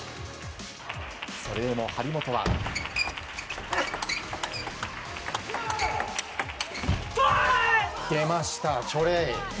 それでも張本は。出ました、チョレイ！